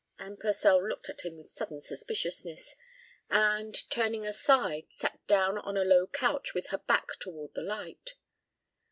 Anne Purcell looked at him with sudden suspiciousness, and, turning aside, sat down on a low couch with her back toward the light.